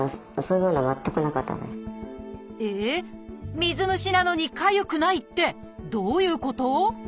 水虫なのにかゆくないってどういうこと？